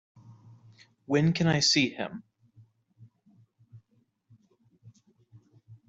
When can I see him?